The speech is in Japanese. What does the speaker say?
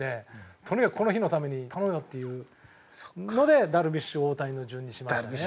とにかくこの日のために頼むよ！っていうのでダルビッシュ大谷の順にしましたね。